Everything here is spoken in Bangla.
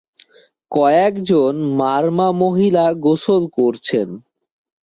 কয়েকজন মারমা মহিলা গোসল করছেন।